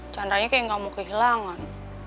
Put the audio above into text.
chandra nya kayak gak mau kehilangan